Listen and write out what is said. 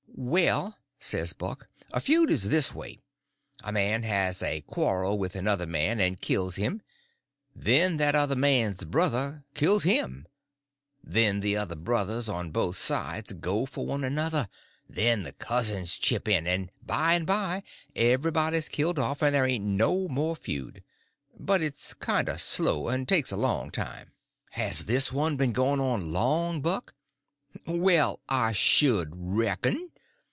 "Well," says Buck, "a feud is this way: A man has a quarrel with another man, and kills him; then that other man's brother kills him; then the other brothers, on both sides, goes for one another; then the cousins chip in—and by and by everybody's killed off, and there ain't no more feud. But it's kind of slow, and takes a long time." "Has this one been going on long, Buck?" "Well, I should _reckon!